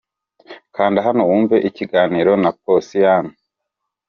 Kanda hano wumve ikiganiro na Posiyani.